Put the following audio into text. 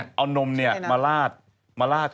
แล้วก็ต้องเอานมมาลาด